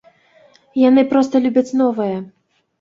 Яны проста любяць новае.